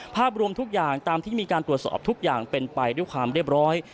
ภาพรวมทุกอย่างตามที่มีการตรวจสอบทุกอย่างเป็นไปด้วยความเรียบร้อย